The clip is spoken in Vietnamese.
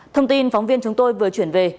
thông tin phóng viên chúng tôi vừa chuyển về